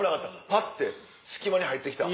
ぱって隙間に入ってきた。